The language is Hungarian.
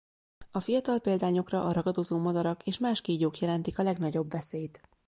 A fiatal példányokra a ragadozó madarak és más kígyók jelentik a legnagyobb veszélyt.